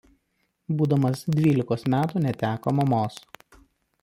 Būdamas dvylikos metų neteko mamos.